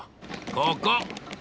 ここ！